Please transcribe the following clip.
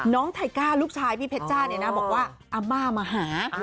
ไทก้าลูกชายพี่เพชรจ้าเนี่ยนะบอกว่าอาม่ามาหา